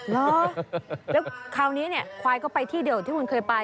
แล้วคราวนี้ควายก็ไปที่เดียวกับที่คุณเคยไป